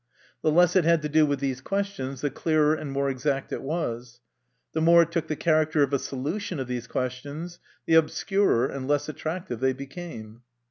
The less it had to do with these questions, the clearer and more exact it was ; the more it took the character of a solution of these questions, the obscurer and less attractive they became.